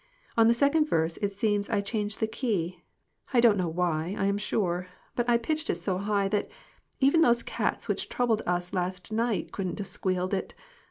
On the second verse it seems I changed the key. I don't know why, I am sure, but I pitched it so high that even those cats which troubled us so last night couldn't have squealed it.